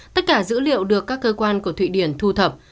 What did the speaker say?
tất cả dữ liệu được các cơ quan của thụy điển thu thập